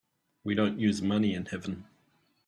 We don't use money in heaven.